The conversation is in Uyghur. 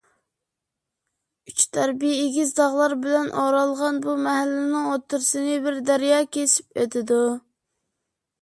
ئۈچ تەرىپى ئېگىز تاغلار بىلەن ئورالغان بۇ مەھەللىنىڭ ئوتتۇرىسىنى بىر دەريا كېسىپ ئۆتىدۇ.